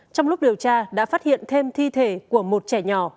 trong lúc điều tra đã phát hiện thêm thi thể của một trẻ nhỏ